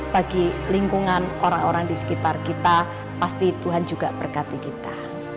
bagi lingkungan orang orang di sekitar kita pasti tuhan juga berkati kita